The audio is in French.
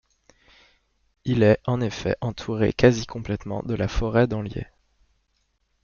Il est en effet entouré quasi complètement de la forêt d'Anlier.